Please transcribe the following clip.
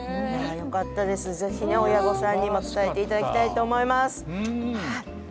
ぜひ、親御さんにも伝えていただきたいと思います。